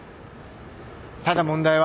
ただ問題は。